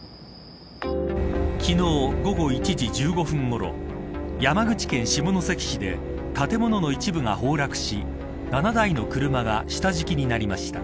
昨日、午後１時１５分ごろ山口県下関市で建物の一部が崩落し７台の車が下敷きになりました。